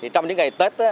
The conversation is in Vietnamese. trong những ngày tết